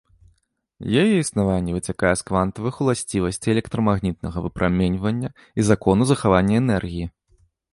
Яе існаванне выцякае з квантавых уласцівасцей электрамагнітнага выпраменьвання і закону захавання энергіі.